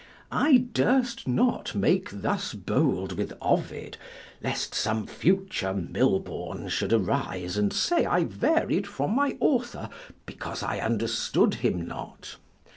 I durst not make thus bold with Ovid, lest some future Milbourne should arise, and say I varied from my author, because I understood him not.